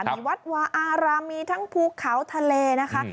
มีวัดวาอารามมีทั้งภูเขาทะเลนะคะ